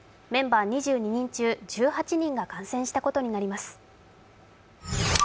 メンバー２２人中１８人が感染したことになります。